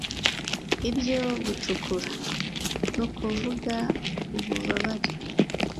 ibyo gucukura, nukuvuga, ububabare